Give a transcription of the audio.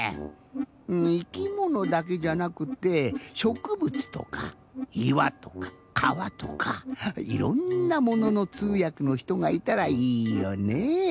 いきものだけじゃなくってしょくぶつとかいわとかかわとかいろんなもののつうやくのひとがいたらいいよね。